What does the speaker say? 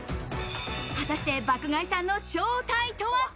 果たして爆買いさんの正体とは？